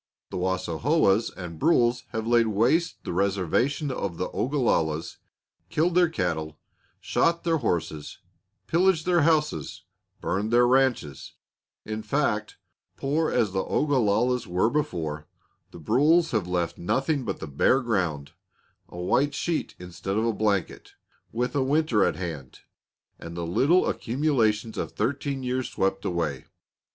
The Wassaohas and Brules have laid waste the reservation of the Ogalallas, killed their cattle, shot their horses, pillaged their houses, burned their ranches; in fact, poor as the Ogalallas were before, the Brules have left nothing but the bare ground, a white sheet instead of a blanket, with a winter at hand, and the little accumulations of thirteen years swept away.